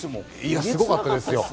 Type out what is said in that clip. いやすごかったですよ。